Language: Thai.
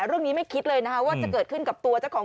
เรื่องนี้ไม่คิดเลยว่าจะเกิดขึ้นกับตัวเจ้าของ